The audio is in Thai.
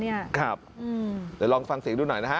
เดี๋ยวลองฟังเสียงดูหน่อยนะฮะ